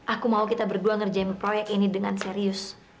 aku mau kita berdua ngerjain proyek ini dengan serius